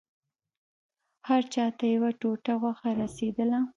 هر چا ته يوه ټوټه غوښه رسېدله.